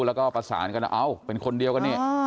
แล้วก็ประสานกันเอ้าเป็นคนเดียวกันนี่